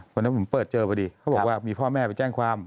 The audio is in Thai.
วันนั้นผมเปิดเจอพอดีเขาบอกว่ามีพ่อแม่ไปแจ้งความ